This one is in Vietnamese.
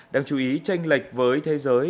đang chú ý tranh lệch với thế giới